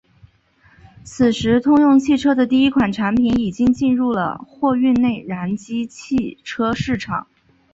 此时通用汽车的第一款产品已经进入了货运内燃机车市场。